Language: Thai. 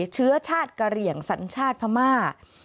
เชื้อชาติกะเหลี่ยงสัญชาติพม่า